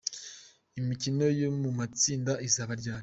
Imikino yo mu matsinda izaba ryari?.